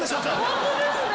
ホントですね。